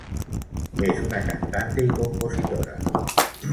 Es una cantante y compositora.